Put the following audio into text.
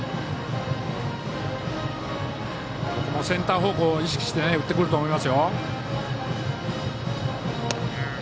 センター方向を意識して打ってくると思いますよ。